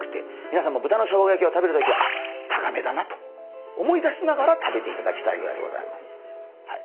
みなさんも豚の生姜焼きを食べるときはあタガメだなと思い出しながら食べていただきたいぐらいでございます。